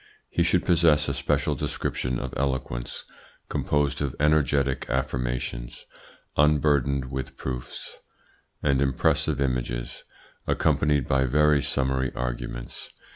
He should possess a special description of eloquence, composed of energetic affirmations unburdened with proofs and impressive images, accompanied by very summary arguments.